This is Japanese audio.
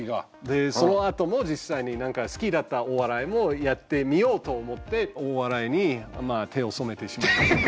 でそのあとも実際になんか好きだったお笑いもやってみようと思ってお笑いにまあ手を染めて。